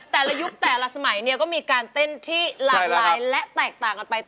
ยุคแต่ละสมัยเนี่ยก็มีการเต้นที่หลากหลายและแตกต่างกันไป